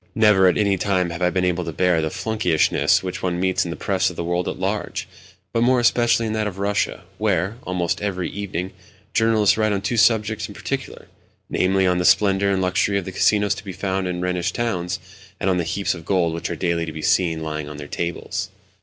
Never at any time have I been able to bear the flunkeyishness which one meets in the Press of the world at large, but more especially in that of Russia, where, almost every evening, journalists write on two subjects in particular—namely, on the splendour and luxury of the casinos to be found in the Rhenish towns, and on the heaps of gold which are daily to be seen lying on their tables.